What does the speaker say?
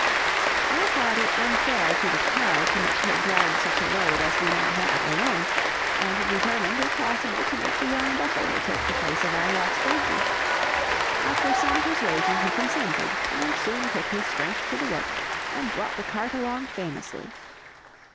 I thought it unfair to the cow to make her drag such a load as we now had alone, and determined if possible to make the young buffalo take the place of our lost donkey: after some persuasion he consented, and soon put his strength to the work and brought the cart along famously.